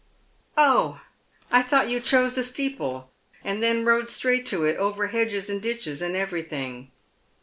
" Oh, I thought you chose a steeple, and then rode straight to it, over hedges and ditches, and everj'lhing."